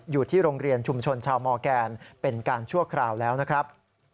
อยู่ที่โรงเรียนชุมชนชาวมอร์แกนเป็นการชั่วคราวแล้วนะครับ